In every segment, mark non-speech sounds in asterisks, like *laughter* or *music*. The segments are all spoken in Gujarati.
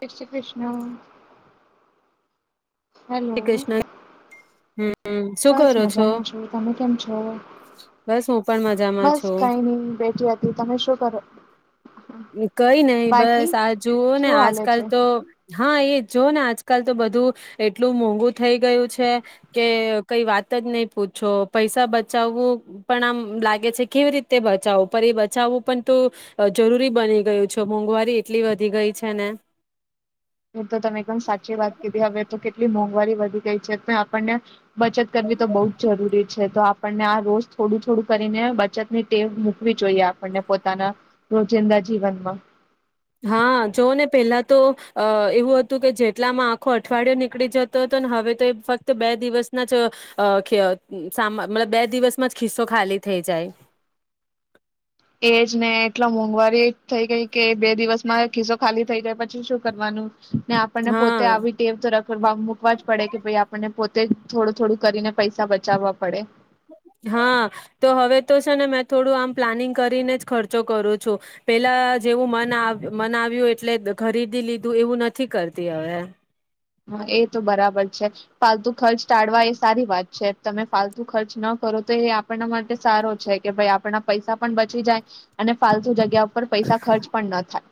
જય શ્રી ક્રિષ્ના. જય શ્રી કૃષ્ણ. હમ, શું બસ કરો છો? મજામાં છું તમે કેમ છો બસ હું પણ મજામાં બસ છું. કઈ નઈ બેઠી હતી તમે શું કરો કઈ નય બાકી બસ આ જુઓ ને શું હાલે આજકાલ છે તો હા એ જોવ ને આજકાલ તો બધું એટલું મોંઘું થઈ ગયું છે કે, કઈ વાત જ નહી પૂછો. પૈસા બચાવવું પણ આમ લાગે છે કેવી રીતે બચાવવું પર એ બચાવવું પણ તો જરૂરી બની ગયું છે. મોંઘવારી એટલી વધી ગઈ છે ને. એ તો તમે એકદમ સાચી વાત કીધી હવે તો કે એટલી મોંઘવારી વધી ગઈ છે. તોય આપણને બચત કરવી તો બહુ જ જરૂરી છે તો આપ આપણને આ રોજ થોડું-થોડું કરીને બચત ની ટેવ મુકવી જોઈએ, આપણને પોતાના રોજિંદા જીવનમાં. હા. જોવ ને પહેલા તો અ એવું હતું કે જેટલામાં આખો અઠવાડિયો નીકળી જતો હતો, ને હવે તો એ ફક્ત બે દિવસના જ ખ સામા મતલબ બે દિવસમાં જ ખિસ્સો ખાલી થઈ જાય. એજ ને એટલો મોંઘવારી થઇ ગઈ કે, બે દિવસ માં ખિસ્સો ખાલી થઇ જાય પછી શું કરવાનું? ને આપણને પોતે હા આવી ટેવ તો ર મૂકવા જ પડે કે, ભાઈ આપને પોતે તે થોડું-થોડું કરીને પૈસા બચાવવા પડે. હા, તો હવે તો છે ને મેં થોડું આમ પ્લાનિંગ કરીને જ ખર્ચો કરું છું. પેલા જેવું મન મન આવ્યું એટલે ખરીદી લીધું એવું નથી કરતી હવે. હા, એ તો બરાબર છે. ફાલતુ ખર્ચ ટાળવા એ સારી વાત છે. તમે ફાલતુ ખર્ચ ન કરો, તો એ આપણા માટે સારો છે કે ભાઈ આપણા પૈસા પણ બચી જાય અને ફાલતુ જગ્યા પર પૈસા ખર્ચ પણ ન થાય.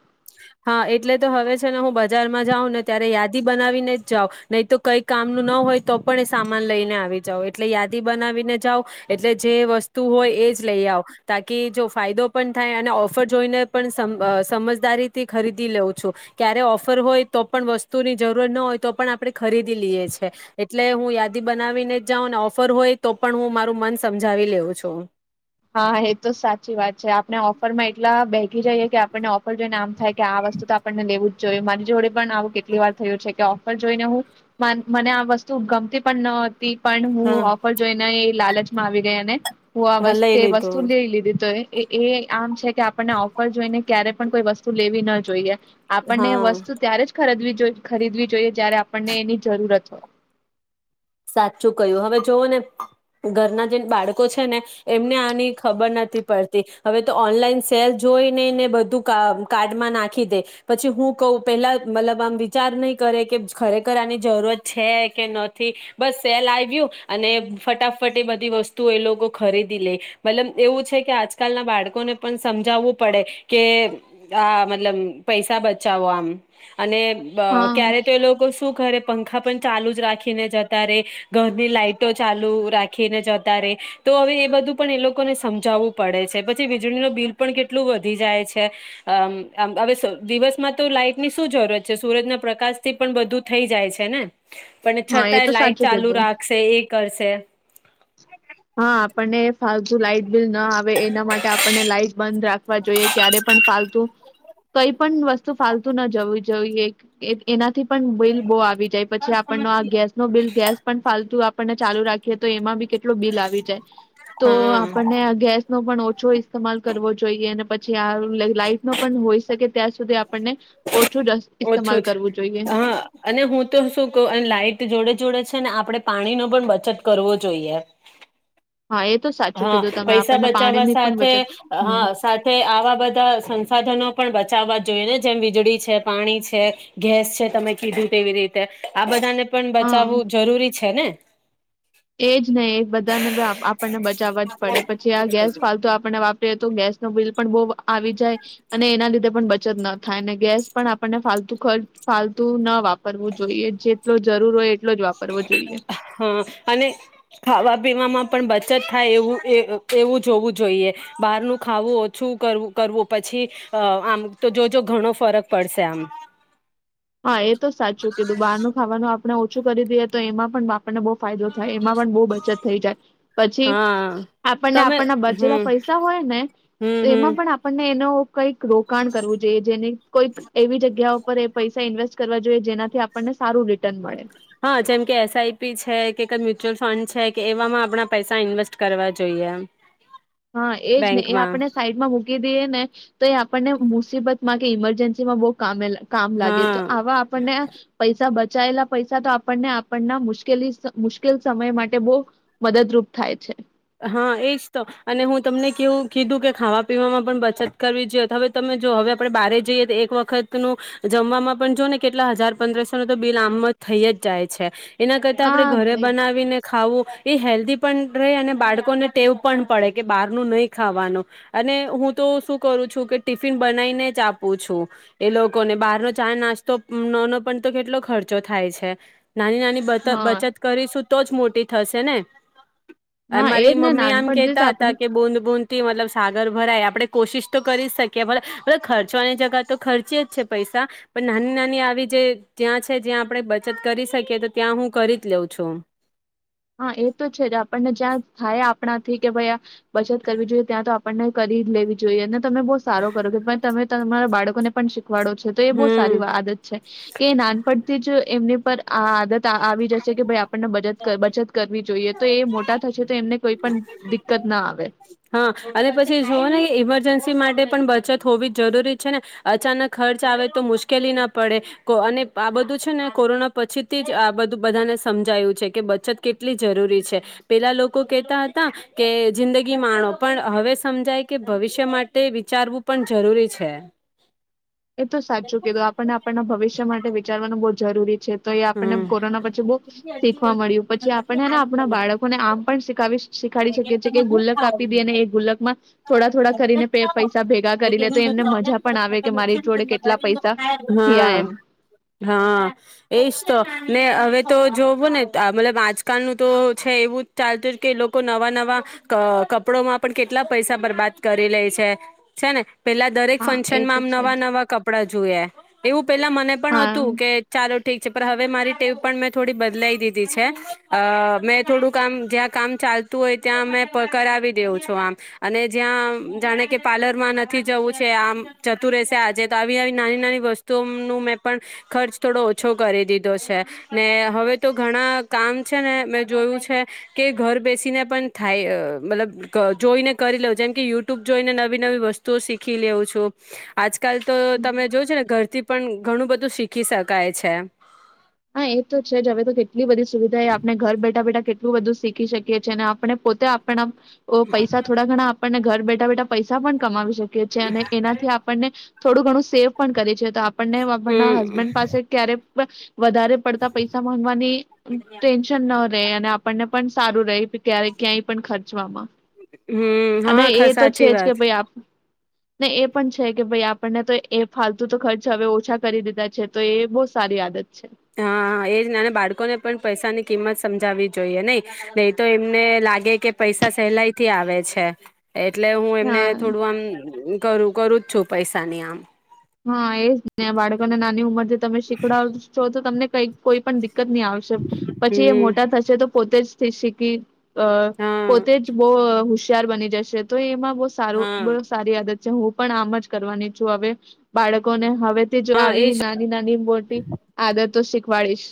હા, એટલે તો હવે છે ને હું બજારમાં જાઉં ને ત્યારે યાદી બનાવીને જ જાઉ નહી, તો કંઈક કામનું ન હોય તો પણ એ સામાન લઈને આવી જાવ એટલે યાદી બનાવીને જાવ એટલે જે વસ્તુ હોય, એ જ લઈ આવ. તાકી જો ફાયદો પણ થાય અને ઓફર જોઈને પણ સમજ સમજદારી થી ખરીદી લઉં છું. ક્યારે ઓફર હોય તો પણ વસ્તુની જરૂર ન હોય, તો પણ આપણે ખરીદી લઈએ છે એટલે હું યાદી બનાવીને જ જાઉં ઓફર હોય, તો પણ હું મારું મન સમજાવી લેઉ છું. હા, એ તો સાચી વાત છે. આપડે ઓફરમાં એટલા બેેહકી જઈએ કે આપણને ઓફર જોઈને આમ થાય કે, આ વસ્તુ તો આપણને લેવું જ જોઈએ. મારી જોડે પણ આવું કેટલી વાર થયું છે કે ઓફર જોઈને હું મને આ વસ્તુ ગમતી પણ ન હોય. થી પણ હા હું ઓફર જોઈને અ લાલચમાં આવી ગયા ને હુવા હા વસ લઈ તે વસ્તુ લીધું. લઈ લીધી તો એ એ એ આમ છે. કે આપણને ઓફર જોઈને. ક્યારે પણ કોઈ વસ્તુ લેવી ના જોઈએ. આપણને હા વસ્તુ ત્યારે જ. જો ખરીદવી જોઈએ જયારે આપણને એની જરૂરત હોય. સાચું કહયું હવે જોવ ને, ઘરના જે બાળકો છે ને, એમને આની ખબર નથી, પડતી હવે તો ઓનલાઈન સેલ જોઈ ને બધું કાર્ડમાં નાખી દે, પછી હું કવ પેલા મતલબ આમ વિચાર નહી કરે કે ખરેખર આની જરૂરત છે કે નથી. બસ સેલ આવ્યું અને ફટાફટ એ બધી વસ્તુ એ લોકો ખરીદી લે, મતલબ એવું છે કે આજકાલ ના બાળકોને પણ સમજાવવું પડે, કે આ મતલબ પૈસા બચાવો આમ. અને હા ક્યારે તો એ લોકો શું કરે. પંખા પણ ચાલુ જ રાખીને જતા. ઘરની લાાઈટો ચાલુ રાખીને જતા રે, તો હવે એ બધું પણ એ લોકોને સમજાવવું પડે છે પછી વીજળી ન બિલ પણ કેટલું વધી જાય છે, અમ હવે દિવસમાં તો લાઈટ ની શું જરૂરત છે સુરજના પ્રકાશથી પણ બધું થઈ જાય છે ને. પણ છ. હા એ તો લાઈટ સાચું ચાલુ કીધું રાખશે એક. કરશે. હા આપણને ફાલતુ લાઈટ. બિલ ના આવે એના માટે આપણને લાઈટ બંધ રાખવા જોઈએ, ક્યારે પણ ફાલતુ. કઈ પણ વસ્તુ ફાલતું ન જવું જોઈએ એનાથી. બિલ બહુ આવી જાય પછી આપણ આ ગેસ નો બિલ ગેસ પણ ફાલતુ. આપને ચાલુ રાખીએ તો એમાં બી. કેટલું બિલ આવી જાય, તો હા આપણને ગેસ. નો પણ ઓછો ઇમાલ કરવો જોઈએ અને પછી લાઈફ નો પણ હોઈ શકે ત્યાં સુધી. આપણને ઓછું જ ઓછો ઇસ્તેમાલ કરવું જોઈએ હા અને હું તો શું કહું અને લાઈટ જોડે જોડે. છે ને આપણે પાણીનો પણ બચત કરવો જોઈએ. હા એ તો સાચું હા કીધું તમે પૈસા આપણને બચાવવા પાણીની પણ સાથે બચત હા હમ સાથે આવા બધા સંસાધનો પણ બચ. બચાવવા જોઈએ ને જેમ વીજળી છે, પાણી છે, ગેસ છે, તમે કીધું તેવી રીતે આ બધાને. પણ હા બચાવવું જરૂરી છે ને. એજ ને એ બધાને બી આપ- આપણને બચાવવા જ પડે પછી આ ગેસ ફતુ આપને વાપરીએ તો ગેસ ન બિલ. પણ બો આવી જાય, અને એના લીધે પણ બચત ન થાય અને ગેસ પણ આપણને ફત ફતુ ન વાપરવું જોઈએ જેટલો જરૂર હોય. એટલો જ વાપરવો જોઈએ હા અને. ખાવા પીવામાં પણ બચત થાય એવું એવું જોવું જોઈએ, બહારનું ખાવું ઓછું કરવું પછી, આમ તો જોજો ઘણો ફરક પડશે આમ. હા એ તો સાચું કીધું બહાર નું ખાવાનું. આપણે ઓછું કરી દઈએ તો એમાં પણ. આપને બહુ ફાયદો થાય એમાં પણ બહુ બચત થઈ જાય, પછી હા આપણને તમે આપણના બચેલા હમ પૈસા હોય ને, હમ હમ એમાં પણ આપણને એનો. કઈક રોકાણ કરવું જોઈએ જેને. કોઈ એવી જગ્યા ઉપ ઉપર એ. પૈસા ઇન્વેસ્ટ કરવા જોઈએ જેનાથી આપણને સારું રિટર્ન મળે. હા જેમ કે એસઆઈપી છે કે કઈ મ્યુચ્યુઅલ ફંડ છે કે એવામાં આપણા પૈસા ઇન્વેસ્ટ કરવા જોઈએ એ હા એજ ને એ આપને સાઈડમાં મૂકી દઈએ ને તો એ આપને મુસીબતમાં કે ઇમરજન્સીમાં બઉુ કમે લે. કામ લાગે હા તો આવા આપણને પૈસા બ બચાયેલા પૈસા તો આપણને આપણના મુશ્કેલી મુશ્કેલ સમય માટે બહુ મદદરૂપ થાય છે. હા એજ તો અને હું તમને કેવું કીધું કે ખાવા પીવામાં પણ બચત કરવી જોઈએ તો હવે તમે જો હવે આપણે બારે જઈએ તો એક વખતનુંું જમવામાં પણ જો ને કેટલા હજાર પંદરસો ન તો બિલ આમમાં થઈ જ જાય છે. એના કરતા આપડે હા ઘરે થઈ જ બનાવીને ખાવું. એ હેલ્ધી પણ રહે અને બાળકોને ટેવ પણ પડે કે બહાર ન નહી ખાવાનું અને હું તો શું કરું છું કે ટિફિન બનાવીને જ આપું છું એ લોકોને બહારનો ચા નાસ્તો ન ન પણ તો કેટલો ખર્ચો થાય છે. નાની નાની બ હા બચત કરીશું. તો જ મોટી થશે ને. હા મારી એજ ને મમ્મી આમ નાનપણથી કેહેતા જ હતા આપણે કે બુંદ બુંદ. થી મતલબ સાગર ભરાય આપણે કોશિશ તો કરી જ શકીએ ખર્ચવાની જગ્યા તો ખર્ચી જ છે પૈસા પણ નાની નાની આવી જે જ્યાં છે જ્યાં આપણે બચત કરી શકીએ તો ત્યાં હું કરી જ લઉં છું. હા એ તો છે જ આપણને જ્યાં. હા આપણાથી કે ભાઈ આ બચત કરવી જોઈએ ત્યાં તો આપણને કરી લેવી જોઈએ. તમે બહુ સારો કરો કે ભ તમે. તમારા બાળકોને પણ શ. વાડો છે તો એ બહુ હમ સારી આદત છે. કે નાનપણથી જ એમને પર. આ આદત આવી જશે કે ભાઈ આપણને બચત બચત. કરવી જોઈએ તો એ મોટા થશે તો એમને કોઈ પણ દિકકત ના આવે. હા અને પછી જુઓ ને કે *inaudible* માટે પણ બચત હોવી જરૂરી છે ને અચાનક ખર્ચ આવે તો મુશ્કેલી ના પડે અને આ બધું છે ને કોરોના પછી. થી જ આ બધું બધાને સમજાયું છે કે બચત કેટલી જરૂરી છે પેલા લોકો કેહેતા હતા કે જિંદગી માણો પણ હવે સમજાય કે ભવિષ્ય માટે વિચારવું પણ જરૂરી છે. એ તો સાચું કીધું આપણને આપણના ભવિષ્ય માટે વિચારવાનું બ. જરૂરી છે. તો એ આપણને હમ કોરોના પછી બહ શીખવા મળ્યું પછી આપણનેને આપણા બાળકોને આમ. પણ શીખાવીશ. શીખાડી શકીકે છેએ કે ગુલ્લક આપી દે અને એ ગુલ્લકમાં થોડા થોડા કરીને પૈસા ભેગા કરી લે તો એમને મજા પણ આવે કે મારી જોડે કેટલા પૈસા હા થયા એમ હા એજ તો ને હવે તો જોવું ને મતલબ આજકાલનું તો છે એવું જ ચાલતું કે લોકો નવા નવા કપડોમાં પણ કેટલા પૈસા બરબાદ કરી લે છે છે ને. પેલા દરેક હા એ ફંક્શનમાં તો આમ છે જ નવા નવા કપડા જોયા. એવું પેલા મને પણ હા હતું કે ચાલો ઠીક હવે મારી ટીમ પણ મેં થોડી બદલાઈ દીધી છે અ મેં થોડું કામ જ્યાં કામ ચાલતું હોય ત્યાં મે કરાવી દેઉ છું આમ અને જ્યાં જાણે કે પાર્લરમાં નથી જવું છે આમ જતું રહેશે આજે તો આવી આવી નાની નાની વસ્તુઓનું મેં પણ ખર્ચ થોડો ઓછો કરી દીધો છે ને હવે તો ઘણા કામ છે ને મેં જોયું છે કે ઘર બેસીને પણ થાય મતલબ જોઈને કરી લે જેમ કે યુટ્યુબ જોઈને નવી નવી વસ્તુઓ શીખી લઉં છું આજ. કાલ તો તમે જો છો ને ઘર થી પણ ઘણું બધું શીખી શકાય છે. હા એ તો છે જ હવે તો કેટલી બધી સુવિધા એ આપણે ઘર બેઠા બેઠા કેટલા એલું બધું શીખી શકીએ છીએ અને આપણે પોતે આપણા ઓ પૈસા થોડા ઘણા આપણને ઘર બેઠા ટા બેા પૈસા પણ કમાવી સક શકે છે અને એનાથી આપણને થોડું ઘણું સેવ પણ કરે છે તો આપ ણને આપણના હમ હસબન્ડ પાસે ક્યારે બ વધારે પડતા પૈસા માંગવાની ટેન્શન ન રહેે અને આપણને પણ સારું ર ક્યારે ક્યાંય પણ ખર્ચવામાં. હમ હા સાચી વાત. ને એ પણ છે કે ભાઈ આપણને તો એ ફાલતુ તો ખર્ચ હવે ઓછા કરી દીધા છે તો એ બહ સારી આદત. છે. હા એ જ નાના બાળકોને પણ પૈસાની કિંમત સમજાવવી જોઈએ નહી, નહી તો એમને લાગે કે પૈસા સહેલાઈથી આવે છે. એટલે હું એમને હા થોડું આમ કરું કરું છું પૈસા ની આમ. હા એજ ને બાળકોને નાની ઉંમર થી તમે શીખડ છો તો તમને કઈ કોઈ પણ દ નહી આવશે, પછી એ હમ મોટા થશે તો પોતે જ શીખી અ હા પોતે જ બહુશ ચાર બની જશે તો એમાં બહ સારું હા બ સારી આદત હું પણ આમ જ કરવાની છું હવે બાળકો ને. હવેથી જો હા એ આવી જ. નાની નાની મોટી આદતો શીખ. વાળશ.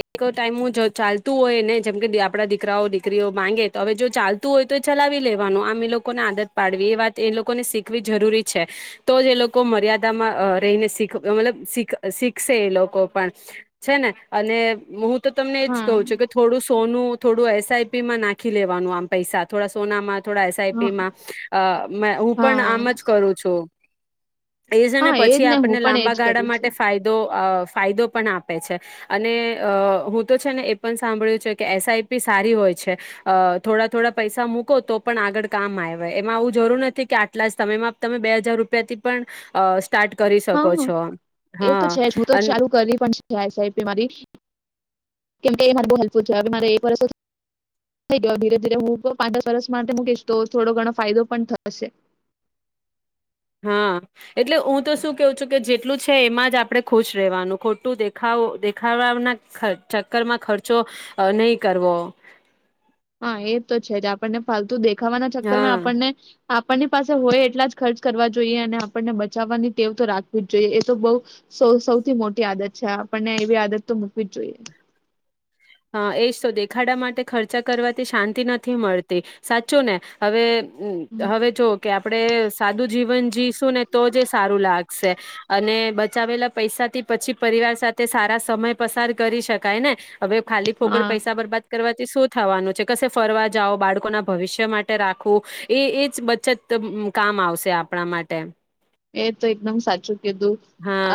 એક ટાઈમ હું જો ચાલતું હોય ને *unintelligible* આપડા દીકરાઓ દીકરીઓ માંગે તો હવે જો ચાલતું હોય તો એ ચલાવી લેવાનું આમ એ લોકોને આદત પાડવી એ વાત એ લોકોને શીખવી જરૂરી છે તો જ એ લોકો મર્યાદામાં અ રહીને અ શીખ મતલબ શીખશે એ લોકો પણ છે ને. અને. *unintelligible* તો તમને એજ હા કવું છુ કે થોડું સોનું થોડું એસઆઈપી માં નાખી લેવાનું આમ પૈસા થોડા સોનામાં. થોડા એસઆઈપી હા અ માં હું પણ આમ જ હા કરું છું. એજે ને હા એજ પછી હું આપણને પણ લાંબા એજ ગાળા કરું માટે છું ફાયદો અ ફાયદો પણ આપે. *unintelligible* છે. અને અ હું તો છે ને એ પણ સાંભળ્યું છે કે એસઆઈપી સારી હોય છે થોડા થોડા પૈસા મૂકો તો પણ આગળ કામ આયવાય એમાં આવું જરૂર નથી કે આટલા જ સમયમાં તમે બે હજાર રૂપિયા થી પણ અ સ્ટાર્ટ કરી શકો હા છો એ હા તો છે હું તો અન ચાલુ કરવી પણ એસઆઈપી મારી. કેમકે એ મારે બ હેલ્પફુલ છે મારે એક વર્ષ થઈ ગો ધીરે ધીરે હું પાંચ દસ વર્ષ માટે મૂકીશ તો થોડો ઘણો ફાયદો પણ થશે. હા એટલે હું તો શું કેવું છું કે જેટલું છે એમાં જ આપણે ખુશ રહેવાનું ખોટું દેખાવ દેખાડવાના ચક્કરમાં ખર્ચો નહીં કરવો. હા એ તો છે જ આપણને ફાલતુ દેખ ખાવાના ચક્કર માં હા આપણને આપણની પાસે હોય એટલા જ ખર્ચ કરવા જોઈએ અને આપણને બચાવવાની ટેવ તો રાખવી જ જોઈએ એ તો બહુ સૌ સૌથી મોટી આદત છે. આપણને એવી આદત તો મૂકવી જ જોઈએ. હ એજ તો દેખાડા માટે ખર્ચા કરવાથી શાંતિ નથી મળતી સાચું ને હવે હમ્મ હવે જો કે આપણે સાદું જીવન જીવશું ને તો જ એ સારું લાગશે અને બચાવેલા પૈસાથી પછી પરિવાર સાથે સારા સમય પસાર કરી શકાય ને. હવે ખાલી ફોગડ હા પૈસા બરબાદ કરવા શું થવાનું છે કશે ફરવા જાઓ બાળકોના ભવિષ્ય માટે રાખવું એ એ જ બચત કામ આવશે આપણા માટે. એ તો એકદમ સાચું કીધું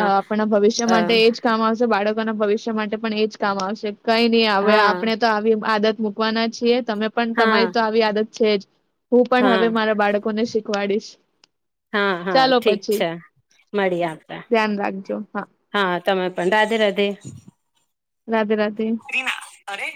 અ આપણા ભવિષ્ય અ માટે એજ કામ આવશે બાળક લોકોના ભવિષ્ય માટે પણ એજ કામ આવશે. કઈ નહી આવે હા આપણે તો આવી આદત મૂકવાના છીએ. તમે પણ હા તમારી હા તો આવી આદત છે જ. હું પણ હા હવે મારા બાળકોને શીખવાડીશ. હા હા ચાલો ઠીક પછી છે મળીએ આપણે ધ્યાન રાખજો હા. તમે પણ રાધે રાધે. રાધે રાધે. રીના અરે